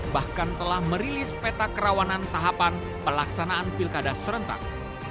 bahkan telah merilis peta kerawanan tahapan pelaksanaan pilkada serentak